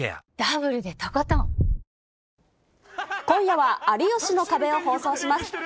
今夜は有吉の壁を放送します。